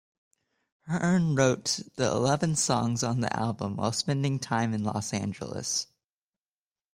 Hearn wrote the eleven songs on the album while spending time in Los Angeles.